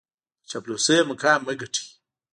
په چاپلوسۍ مقام مه ګټئ.